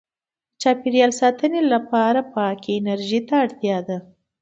• د چاپېریال ساتنې لپاره پاکې انرژۍ ته اړتیا ده.